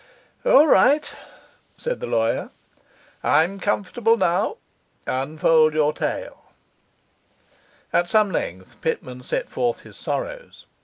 'All right,' said the lawyer. 'I am comfortable now. Unfold your tale.' At some length Pitman set forth his sorrows.